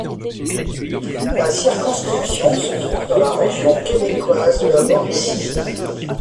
La circonscription se trouve dans la région québécoise de la Mauricie.